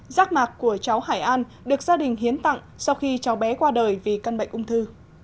giác mạc của cháu hải an được gia đình hiến tặng sau khi cháu bé qua đời vì căn bệnh ung thư